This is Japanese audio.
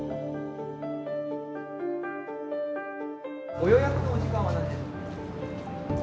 ご予約のお時間は何時で。